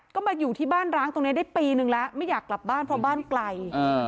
ก็มาอยู่ที่บ้านร้างตรงนี้ได้ปีนึงแล้วไม่อยากกลับบ้านเพราะบ้านไกล